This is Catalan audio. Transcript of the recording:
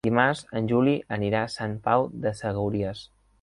Dimarts en Juli anirà a Sant Pau de Segúries.